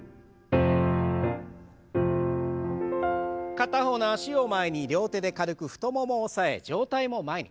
片方の脚を前に両手で軽く太ももを押さえ上体も前に。